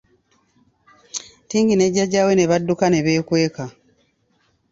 Tingi ne jjajja we ne badduka ne beekweka.